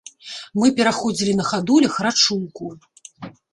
Мы пераходзілі на хадулях рачулку.